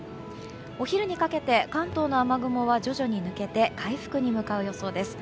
お昼にかけて関東の雨雲は徐々に抜けて回復に向かう予想です。